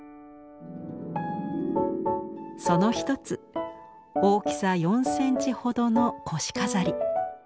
その一つ大きさ４センチほどの腰飾り。